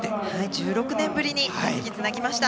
１６年ぶりにたすきをつなぎました。